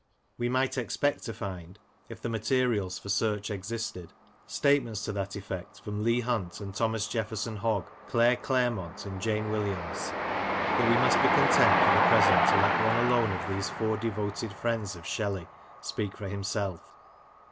We might expect to find, if the materials for search existed, statements to that effect from Leigh Hunt and Thomas Jefferson Hogg, Claire Clairmont and Jane Williams; but we must be content for the present to let one alone of these four devoted friends of Shelley speak for him self.